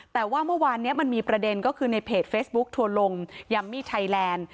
แต่ว่าเมื่อวานนี้มันมีประเด็นก็คือในเพจเฟซบุ๊คทัวร์ลงยัมมี่ไทยแลนด์